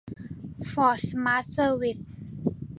ฟอร์ท สมาร์ท เซอร์วิส